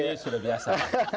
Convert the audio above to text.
budi sudah biasa